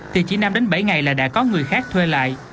thì chỉ năm đến bảy ngày là đã có người khác thuê lại